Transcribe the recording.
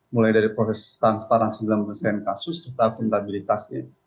mulai dari proses transparansi dalam penyelesaian kasus serta penelabilitasnya